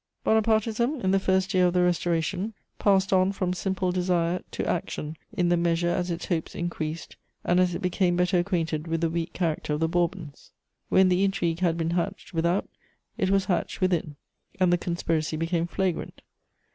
Bonapartism, in the first year of the Restoration, passed on from simple desire to action in the measure as its hopes increased and as it became better acquainted with the weak character of the Bourbons. When the intrigue had been hatched without, it was hatched within, and the conspiracy became flagrant.